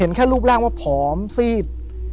แค่รูปร่างว่าผอมซีด